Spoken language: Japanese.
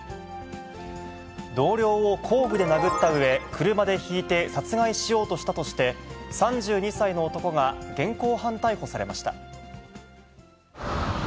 同僚を工具で殴ったうえ、車でひいて殺害しようとしたとして、３２歳の男が現行犯逮捕されました。